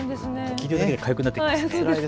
聞いているだけでかゆくなってきますね。